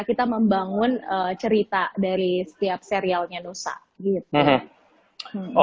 kita membangun cerita dari setiap serialnya nusa gitu